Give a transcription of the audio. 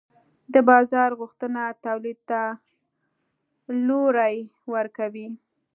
د بازار غوښتنه تولید ته لوری ورکوي.